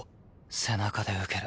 背中で受ける。